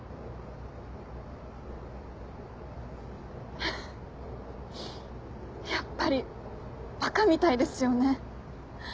フフッやっぱり馬鹿みたいですよね。